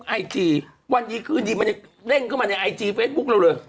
ไอจีวันดีคืนดีมันยังเร่งเข้ามาในไอจีเฟซบุ๊คเราเลย